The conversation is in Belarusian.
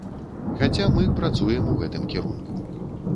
Хаця мы працуем у гэтым кірунку.